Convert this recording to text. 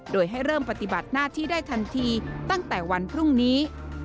โดยให้เริ่มปฏิบัติหน้าที่ได้ทันทีตั้งแต่วันพรุ่งนี้